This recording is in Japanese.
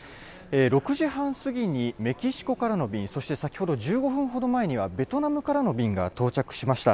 ６時半過ぎにメキシコからの便、そして先ほど１５分ほど前には、ベトナムからの便が到着しました。